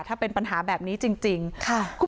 ถ้าเป็นปัญหาแบบนี้จริงค่ะ